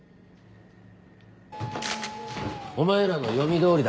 お前らの読みどおりだ。